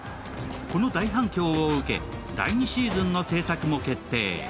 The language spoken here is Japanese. この大反響を受け、第２シーズンの製作も決定。